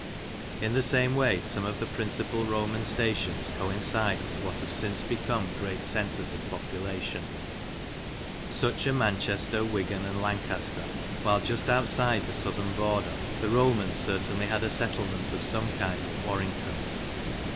In the same way some of the principal Roman stations THE ROMANS IN LANCASHIRE 31 coincide with what have since become great centres of population. Such are Manchester, Wigan, and Lancaster, while just outside the southern border the Romans certainly had a settlement of some kind at Warrington.